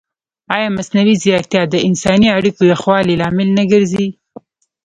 ایا مصنوعي ځیرکتیا د انساني اړیکو یخوالي لامل نه ګرځي؟